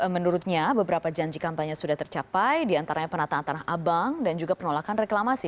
menurutnya beberapa janji kampanye sudah tercapai diantaranya penataan tanah abang dan juga penolakan reklamasi